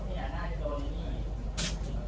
สวัสดีครับทุกคน